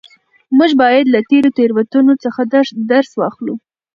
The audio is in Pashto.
موږ بايد له تېرو تېروتنو درس واخلو.